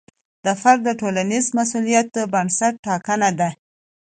د فرد د ټولنیز مسوولیت بنسټ ټاکنه ده.